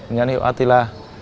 nhân hiệu atila